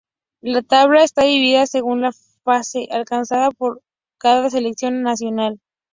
La tabla está dividida según la fase alcanzada por cada selección nacional.